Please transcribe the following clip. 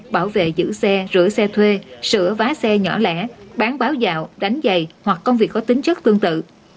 bảo vệ giữ xe rửa xe thuê sửa vá xe nhỏ lẻ bán báo dạo đánh dày hoặc công việc có tính chất tương tự